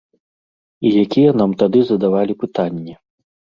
І якія нам тады задавалі пытанні?